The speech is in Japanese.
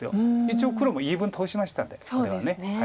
一応黒も言い分通しましたんでこれは。